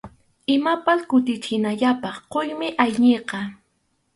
Imapas kutichinallapaq quymi ayniqa.